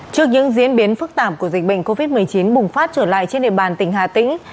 trước những diễn biến phức tạp của dịch bệnh covid một mươi chín bùng phát trở lại trên địa bàn tỉnh hà tĩnh